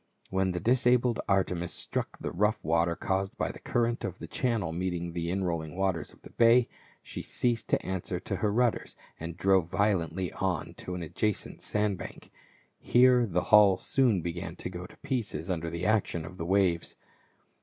When the disabled Artemis struck the rough water caused by the current of the channel meeting the inrolling waters of the bay, she ceased to answer to her rudders* and drove violently on to an adjacent sandbank ; here the hull soon began to go to pieces under the action of the waves.